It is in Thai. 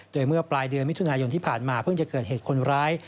โดยเมื่อปลายเดือนมิถุนายนที่ผ่านมาเพิ่งจะเกิดเหตุคนร้าย